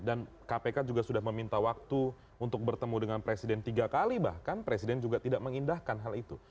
dan kpk juga sudah meminta waktu untuk bertemu dengan presiden tiga kali bahkan presiden juga tidak mengindahkan hal itu